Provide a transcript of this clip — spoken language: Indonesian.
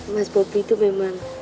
mas bobi tuh memang